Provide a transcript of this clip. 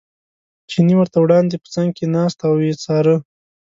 چیني ورته وړاندې په څنګ کې ناست او یې څاره.